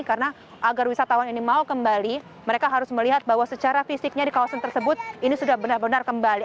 karena agar wisatawan ini mau kembali mereka harus melihat bahwa secara fisiknya di kawasan tersebut ini sudah benar benar kembali